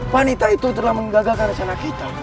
panita itu telah menggagal kepadamu